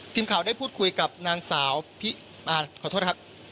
ทีมข่าวได้พูดคุยกับนางสาวขอโทษครับ